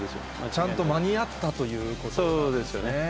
ちゃんと間に合ったというこそうですよね。